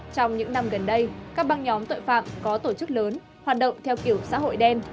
trong những năm gần đây các băng nhóm tội phạm có tổ chức lớn hoạt động theo kiểu xã hội đen